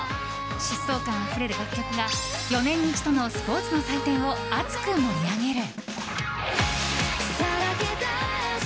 疾走感あふれる楽曲が４年に一度のスポーツの祭典を熱く盛り上げる！